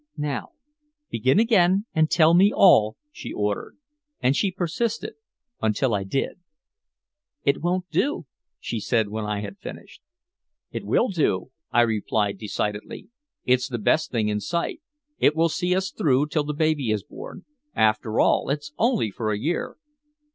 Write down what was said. "Now begin again and tell me all," she ordered. And she persisted until I did. "It won't do," she said, when I had finished. "It will do," I replied decidedly. "It's the best thing in sight. It will see us through till the baby is born. After all, it's only for a year."